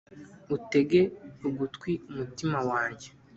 utege ugutwiumutima wanjye